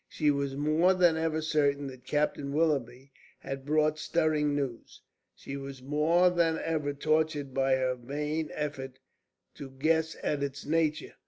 She was more than ever certain that Captain Willoughby had brought stirring news; she was more than ever tortured by her vain efforts to guess its nature.